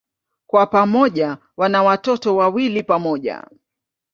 Kwa pamoja wana watoto wawili pamoja.